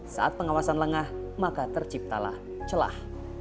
saat pengawasan lengah maka terciptalah celah